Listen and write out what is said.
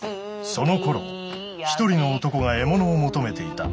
そのころ一人の男が獲物を求めていた。